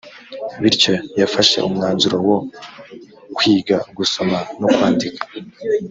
bityo yafashe umwanzuro wo kwiga gusoma no kwandika